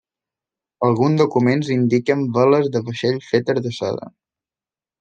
Alguns documents indiquen veles de vaixell fetes de seda.